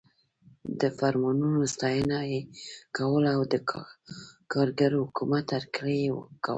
د فرمانونو ستاینه یې کوله او د کارګرو حکومت هرکلی یې کاوه.